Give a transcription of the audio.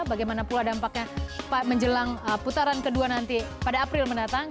bagaimana pula dampaknya pak menjelang putaran kedua nanti pada april mendatang